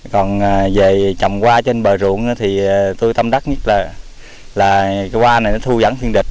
còn về trồng hoa trên bờ ruộng thì tôi tâm đắc nhất là cái hoa này nó thu dẫn phiên địch